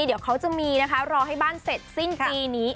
เดี๋ยวเขาจะมีนะคะรอให้บ้านเสร็จสิ้นปีนี้